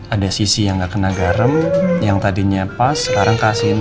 ada sisi yang nggak kena garam yang tadinya pas sekarang kasihin